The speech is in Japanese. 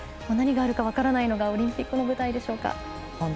何があるか分からないのがオリンピックの舞台でしょうか。